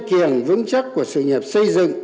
kiềng vững chắc của sự nhập xây dựng